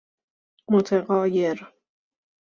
متغایر